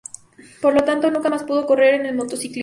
Por lo tanto, nunca más pudo correr en el motociclismo.